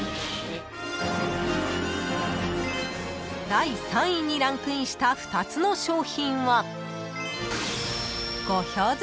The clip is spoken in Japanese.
［第３位にランクインした２つの商品は］